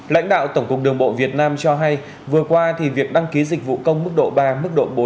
lãnh đạo tổng cục đường bộ việt nam cho hay vừa qua việc đăng ký dịch vụ công mức độ ba mức độ bốn